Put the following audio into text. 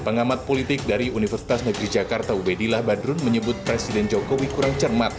pengamat politik dari universitas negeri jakarta ubedillah badrun menyebut presiden jokowi kurang cermat